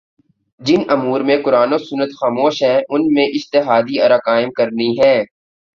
جن امور میں قرآن و سنت خاموش ہیں ان میں اجتہادی آراقائم کرنی ہیں